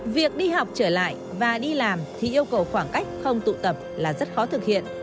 việc đi học trở lại và đi làm thì yêu cầu khoảng cách không tụ tập là rất khó thực hiện